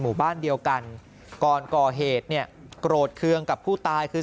หมู่บ้านเดียวกันก่อนก่อเหตุเนี่ยโกรธเคืองกับผู้ตายคือ